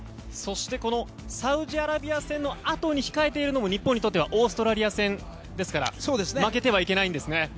そしてこのサウジアラビア戦のあとに控えているのも日本にとってはオーストラリア戦。ですから負けてはいけないんですね。